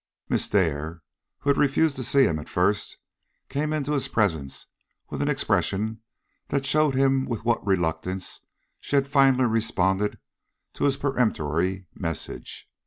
Miss Dare, who had refused to see him at first, came into his presence with an expression that showed him with what reluctance she had finally responded to his peremptory message.